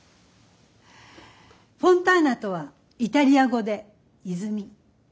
「フォンターナ」とはイタリア語で「泉」。